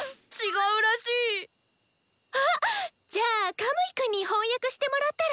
あっじゃあカムイくんに翻訳してもらったら？